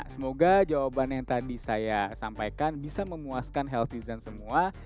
semoga jawaban yang tadi saya sampaikan bisa memuaskan health design semua